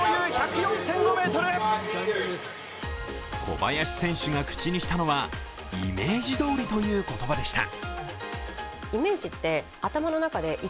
小林選手が口にしたのはイメージどおりという言葉でした。